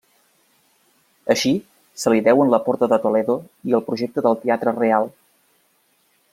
Així, se li deuen la porta de Toledo i el projecte del Teatre Real.